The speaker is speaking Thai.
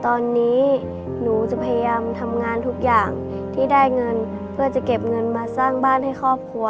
ตอนนี้หนูจะพยายามทำงานทุกอย่างที่ได้เงินเพื่อจะเก็บเงินมาสร้างบ้านให้ครอบครัว